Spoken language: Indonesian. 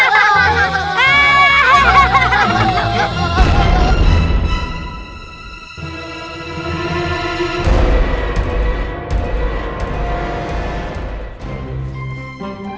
beneran warai horse